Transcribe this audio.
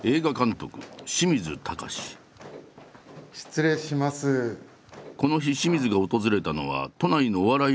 この日清水が訪れたのは都内のお笑いライブの会場。